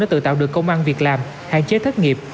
tự tạo được công an việc làm hạn chế thất nghiệp